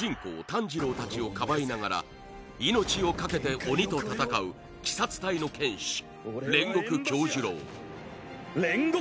炭治郎たちをかばいながら命をかけて鬼と戦う鬼殺隊の剣士・煉獄杏寿郎